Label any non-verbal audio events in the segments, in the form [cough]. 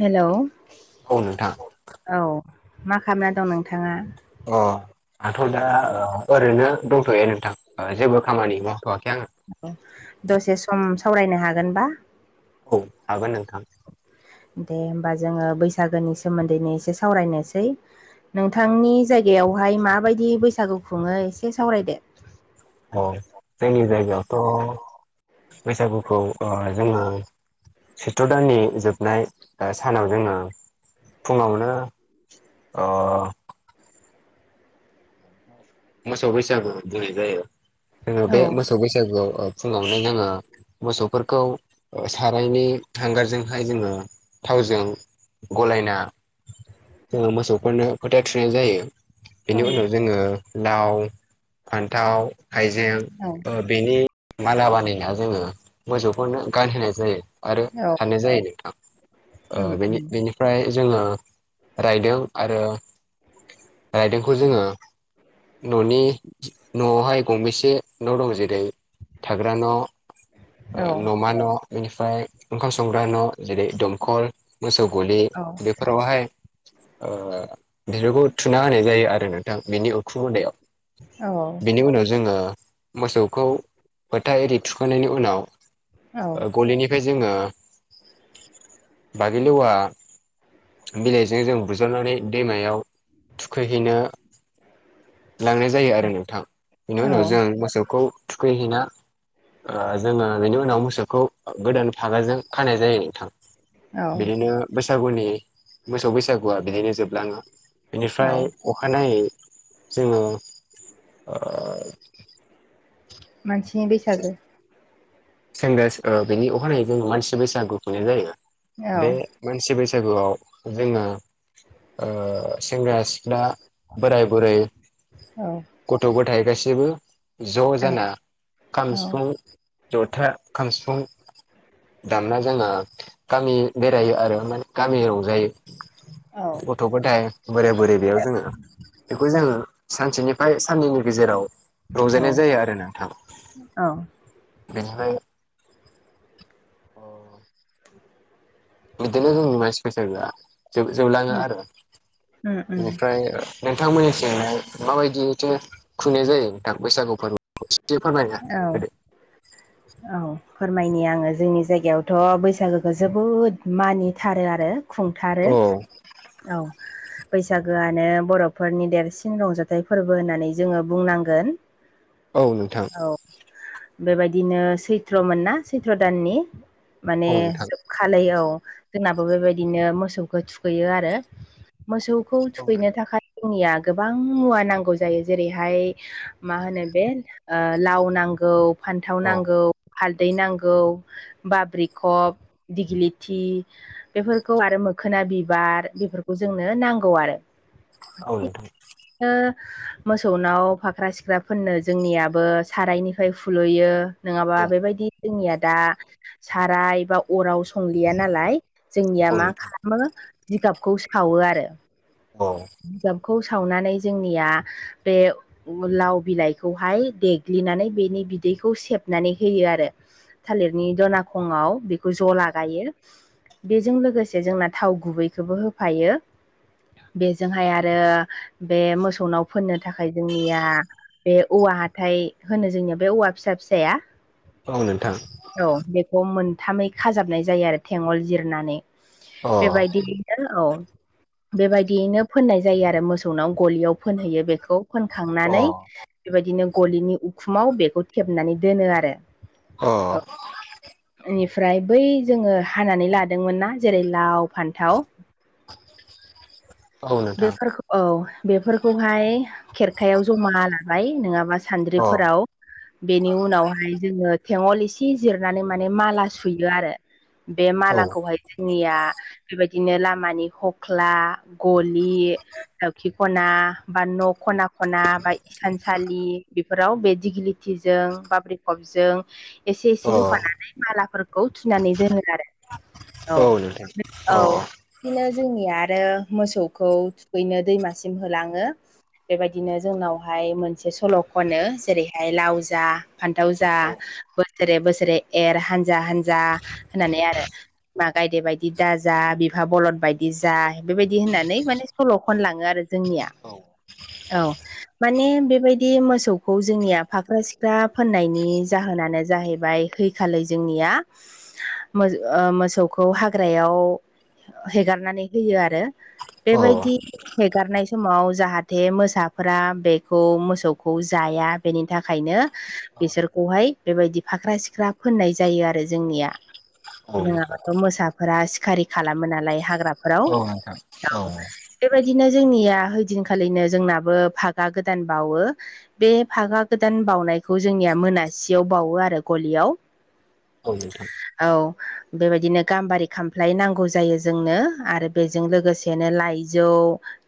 Hello औ नोंथां। औ मा खालामना दं नोंथाङा? अ आंथ' दा ओ ओरैनो दंथ'यो नोंथां ओ जेबो खामानि मावथ'वाखै आङो। औ दसे सम सावरायनो हागोनबा? औ हागोन नोंथां। दे होमबा जोङो बैसागोनि सोमोन्दैनो एसे सावरायनोसै औ नोंथांनि जायगायावहाय माबायदि बैसागु खुङो एसे सावरायदो। औ जोंनि जायगायावथ' बैसागुखौ ओ जोङो सैत्र दाननि जोबनाय ओ सानाव जोङो फुङावनो अ [inaudible] मोसौ बैसागु बुंनाय जायो जोङो बे औ मोसौ बैसागुआव ओ फुङावनो जोङो मोसौफोरखौ ओ सारायनि हांगारजोंहाय जोङो थावजों गलायना जोङो मोसौफोरनो फोथा थुनाय जायो। औ बेनि उनाव जोङो लाव फान्थाव हायजें ओ बेनि माला बानायना जोङो मोसौफोरनो गानहोनाय जायो। आरो औ सारनाय जायो नोंथा उम ओ बेनि उम बेनि फ्राय जोङो रायदों आरो रायदोंखौ जोङो न'नि न'आवहाय गंबेसे न' दं जेरै थाग्रा न' ओ औ न'मा न' बेनिफ्राय ओंखाम संग्रा न' जेरै दमखल मोसौ गलि औ बे फोरावहाय ओ बिलुखौ थुना होनाय जायो आरो नोंथां बेनि उ [unintelligible] औ बेनि उनाव जोङो मोसौखौ फोथा एरि थुखांनायनि उनाव औ ओ गलिनिफाय जोङो बागिलिवा बिलाइजों जों बुज्रावनानै दैमायाव थुखैहैनो लांनाय जायो आरो नोंथां बेनि औ उनाव जों मोसौखौ थुखैहैना ओ जोङो बेनि उनाव मोसौखौ गोदान फागाजों खानाय जायो नोंथां। औ बिदिनो बैसागुनि मोसौ बैसागुआ बिदिनो जोबलाङो। औ बेनिफ्राय अखानायै जोङो ओ मानसिनि बैसागो सेंग्रा स ओ बेनि अखानायै जों मानसि बैसागु खुंनाय जायो औ बे मानसि बैसागुआव जोङो ओ सेंग्रा-सिख्ला बोराय-बुरै, औ गथ'-गथाइ गासैबो ज' औ जाना खाम, औ सिफुं, ज'था, खाम, सिफुं दानना जोंना गामि बेरायो आरो माने गामियाव रंजायो। औ गथ'-गथाय बोराय बुरै बेयाव जोङो बेखौ जोङो सानसेनि बाय साननैनि गेजेराव औ रंजानाय जायो आरो नोंथां। औ बेनिफाय अ [inaudible] बिदिनो जोंनि मानसि बैसागोआ जोब-जोबलाङो उम आरो उम उम बेनिफ्राय नोंथां मोननिथिंहाय माबायदि इथिङो खुंनाय जायो नोंथां बैसागु फोरबो [unintelligible] औ औ फोरमायनि आङो जोंनि जायगायावथ' बैसागोखौ जोबोद मानिथारो आरो खुं थारो औ औ बैसागोआनो बर'फोरनि देरसिन रंजाथाइ फोरबो होननानै जोङो बुंनांगोन। औ नोंथां औ बेबायदिनो सैथ्र' मोन ना सैथ्र' दाननि औ माने नोंथां जो खालै औ जोंनाबो बेबायदिनो मोसौखौ थुखैयो आरो मोसौखौ औ थुखैनो नोंथां थाखाय जोंनिया गोबां मुवा नांगौ जायो जेरैहाय मा होनो बे ओ लाव नांगौ फान्थाव औ नांगौ हालदै नांगौ बाब्रिखब दिग्लिथि बेफोरखौ आरो मोखोना बिबार बेफोरखौ जोंनो नांगौ आरो औ ओ मोसौनाव फाख्रा-सिख्राफोरोननो जोंनियाबो सारायनिफ्राय फुलुयो। नङाबा औ बेबायदि जोंनिया दा साराय एबा अराव संलिया नालाय जोंनिया औ मा नोंथां खालामो जिगाबखौ सावो आरो औ जिगाबखौ सावनानै जोंनिया बे लाव बिलाइखौहाय देग्लिनानै बेनि बिदैखौ सेबनानै होयो आरो थालिरनि दनााखङआव बेखौ ज' लागायो। बेजों लोगोसे जोंना थाव गुबैखौबो होफायो। बेजोंहाय आरो बे मोसौनाव फोननो थाखाय जोंनिया बे औवा हाथाय होनो जोंनिया बे औवा फिसा फिसाया औ नोंथां औ बेखौ मोनथामै खाजाबनाय जायो आरो थेंगल जिरनानै अ बेबायदि औ बेबायदियैनो फोननाय जायो आरो मोसौनाव गलियाव फोनहैयो बेखौ अ फनखांनानै बेबायदिनो गलिनि उखुमाव बेखौ थेबनानै दोनो आरो अ औ बेनिफ्राय बै जोङो हानानै लादोंमोन नना जेरै लाव, फान्थाव औ नोंथां बेफोरखौ औ बेफोरखौहाय खेरखायाव जमा लाबाय नङाबा अ औ सान्द्रिफोराव बेनि उनावहाय जोङो थेंगल इसे जिरनानै माने माला सुयो आरो बे अ मालाखौहाय जोंनिया बेबायदिनो लामानि हख्ला गलि दावखि खना बा न' खना खना बा थानसालि बेफोराव बे दिगिलिथिजों बाबेखबजों एसे एसे होफानानै मालाफोरखौ थुनानै दोनो आरो औ द दे औ बिदिनो जोंनि आरो मोसौखौ थुखैनो दैमासिम होलाङो बेबायदिनो जोंनावहाय मोनसे सल' खनो जेरैहाय लावजा फान्थाव जा औ बोसोरे बोसोरे एर हानजा हानजा होननानै आरो बि मा गायदे बायदि दाजा बिफा बलन बायदि जा बेबायदि होननानै माने सल' औ खनलाङो आरो जोंनिया औ माने बेबायदि मोसौखौ जोंनिया फाख्रा सिख्रा फोननायनि जाहोनानो जाहैबाय आखालि जोंनिया मोसौखौ हाग्रायाव हेगारनानै होयो आरो अ औ नोंथां औ बेबायदि हेगारनाय समाव जाहाथे मोसाफोरा बेखौ मोसौखौ जाया बेनि थाखायनो बिसोरखौहाय बेबायदि फाख्रा सिख्रा फोननाय जायो आरो जोंनिया नोंथां जोंाबाथ' मोसाफोरा सिखारि खालामो नालाय हाग्राफोराव औ बेबायदिनो जोंनिया ओइदिनखालिनो जोंनाबो फागा गोदान बावो बे फागा गोदान बावनायखौ जोंनिया मोनासियाव बावो आरो गलियाव औ नोंथां औ बेबायदिनो गाम्बारि खामफ्लाय नांगौ जायो जोंनो आरो बेजों लोगोसेनो लाइजौ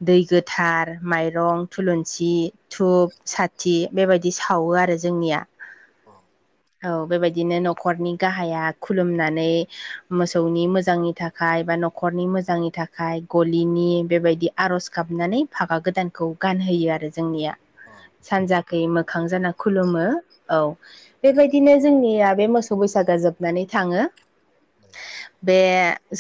दै गोथार माइरं थुलुंसि धुप साथि बेबायदि सावो आरो जोंनिया औ बेबायदिनो न'खरनि गाहाया खुलुमनानै मोसौनि मोजांनि थाखाय बा न'खरनि मोजांनि थाखाय गलिनि बेबायदि आर'ज गाबनानै फागा गोदानखौ गानहोयो आरो जोंनिया सानजाखै मोखां जाना खुलुमो औ बेबायदिनो जोंनिया बे मोसौ बैसागा जोबनानै थाङो बे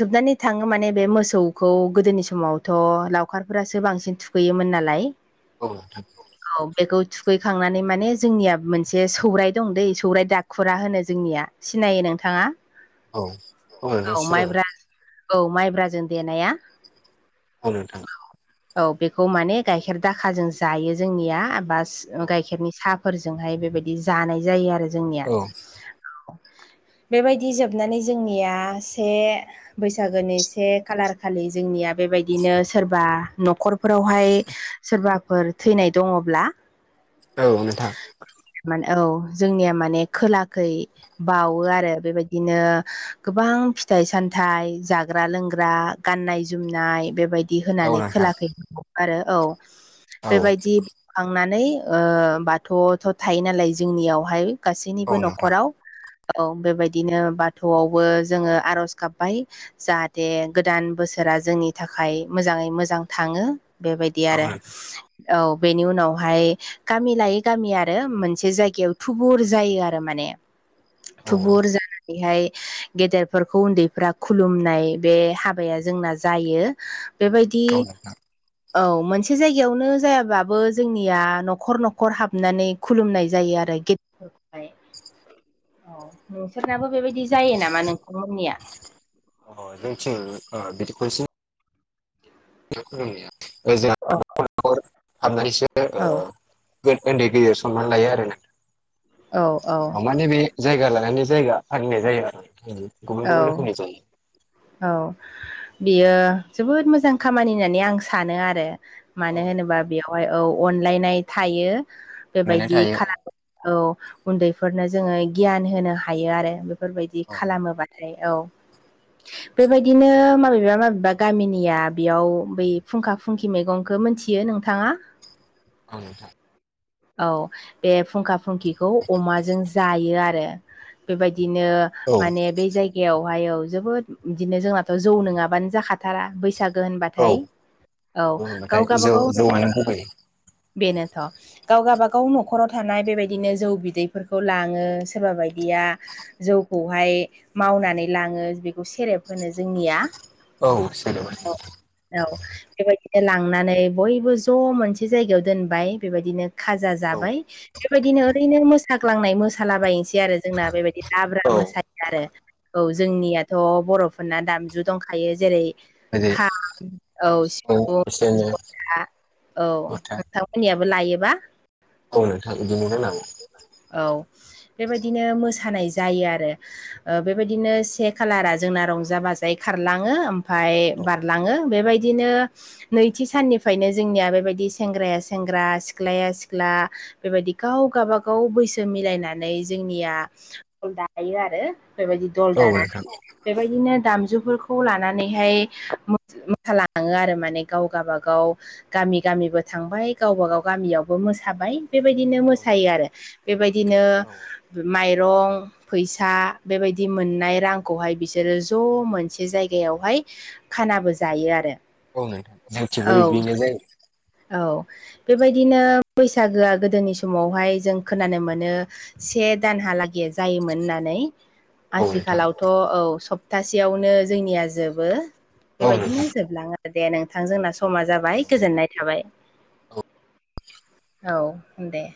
जोबनानै थाङो माने बे मोसौ बेखौ गोदोनि समावथ' लावखारफोरासो बांसिन थुखैयोमोन नालाय औ थ औ बेखौ थुखैखांनानै माने जोंनिया मोनसे सौराय दं दै सौराय दाख खुरा होनो जोंनिया सिनायो नोंथाङा औ नोंथां औ सिनायो माइब औ माइब्राजों देनाया अ नोंथां औ बेखौ माने गाइखेर दाखाजों जायो जोंनिया बास औ गाइखेरनि साहा फोरजोंहाय बेबायदि जानाय जायो आरो जोंनिया औ बेबायदि जोबनानै जोंनिया से बैसागोनि से खालार खालि जोंनिया बेबायदिनो सोरबा न'खरफोरावहाय सोरबाफोर थैनाय दङब्ला औ नोंथां मान औ जोंनिया माने खोलाखै बावो आरो बेबायदिनो गोबां फिथाइ सामथाइ जाग्रा लों [unintelligible] गाननाय जोमनाय बेबायदि औ होनानै नोंथां खोलाखै बावो आरो औ। औ बेबायदि बावखांनानै ओ बाथौवावथ' थायो नालाय जोंनियावहाय औ गासैनिबो नोंथां न'खराव औ बेबायदिनो बाथौआवबो जोङो आरज गाबबाय जाहाथ दे गोदान बोसोरा जोंनि थाखाय मोजाङै मोजां थाङो बेबायदि औ आरो नोंथां औ बेनि उनावहाय गामि लायै गामि आरो मोनसे जायगायाव थुबुर जायो आरो माने औ थुबुर जानानैहाय गेदेरफोरखौ उन्दैफ्रा खुलुमनाय बे हाबाया जोंना जायो बेबायदि औ नोंथां औ मोनसे जायगायावनो जायाबाबो जोंनिया न'खर-न'खर हाबनानै खुलुमनाय जायो आरो गे [unintelligible] औ नोंसोरनाबो बेबायदि जायो नामा नोंथांमोननिया। अ जोंथिं बिदि [unintelligible] [unintelligible] ओ औ जोङा नखर-नखर हाबनानैसो ओ गोद उन्दै गेदेर सनमान लायो आरो औ औ ना माने बे जायगा लानानै जायगा फालिनाय जायो आरो गुबुन-गुबुन औ रोखोमनि जायो। औ बियो जोबोद मोजां खामानि होननानै आं सानो आरो। औ मानो होनोबा बेवहाय औ अनलायनाय थायो अनलायनाय बेबायदि थायो खालाम औ उन्दैफोरनो जोङो गियान होनो हायो आरो बेफोरबायदि औ खालामोबा। ओमफ्राय औ। बेबायदिनो माबेबा-माबेबा गामिनिया बेयाव बै फुंखा फुंखि मैगंखौ मिथियो नोंथाङा। औ नोंथां। औ बे फुंखा फुंखिखौ अमाजों जायो आरो। बेबायदिनो औ माने बे जायगायावहाय औ जोबोद बिदिनो जोंनाथ' जौ नङाबानो जाखाद थारा बैसागो औ होनबाथाय औ होनबाथाय गाव गावबा जौ गाव जौआनो गुबै [unintelligible] बेनोथ' गाव गावबागाव न'खराव थानाय बेबायदिनो जौ बिदैफोरखौ लाङो सोरबा बायदिया जौखौहाय मावनानै लाङो बेखौ सेरेब होनो जोंनिया। औ सेरेब औ होनो। औ बेबायदिनो लांनानै बयबो ज' मोनसे जायगायाव दोनबाय बेबायदिनो खाजा औ जाबाय बेबायदिनो ओरैनो मोसाग्लांनाय मोसालाबायनोसै बेदि आरो जोंना बेबायदि लाब्रा औ मोसायो। आरो औ जोंनियाथ' बर'फोरना दामजु दंखायो जेरै जेरै खाम औ खाम सिफुं सेरजा जथा औ जथा नोंथां मोननियाबो लायोबा। औ नोंथां बिदिनो लायो। औ बेबायदिनो मोसानाय जायो आरो बेबायदिनो से खालारा जोंना रंजा बाजायै खारलाङो ओमफाय औ बारलाङो बेबायदिनो नैथि साननिफ्रायनो जोंनिया बेबायदि सेंग्राया सेंग्रा सिख्लाया सि ख्ला बेबायदि गाव गावबागाव बैसो मिलायनानै जोंनिया दल दायो आरो बेबायदि दल नोंथां दानानै बेबायदिनो दामजुफोरखौ लानानैहाय मो मोसालाङो आरो माने गाव गावबागाव गामि गामिबो थांबाय गावबागाव गामियाव बो मोसाबाय बेबायदिनो औ मोसायो नोंथां आरो बेबायदिनो औ माइरं फैसा बेबायदि मोननाय रांखौहाय बिसोरो ज' मोनसे जायगायावहाय खानाबो जायो आरो। औ नोंथां जोंथिबो औ बेनो जायो। औ बेबायदिनो बैसागोआ गोदोनि समावहाय जों खोनानो मोनो से दानहालागै जायोमोन होननानै औ नोंथां आथिखालाव थ' औ सप्तासेयावनो जोंनिया जोबो औ बेबायदिनो नोंथां जोबलाङा दे नोंथां जोंना समा जाबाय औ गोजोननाय थाबाय औ दे।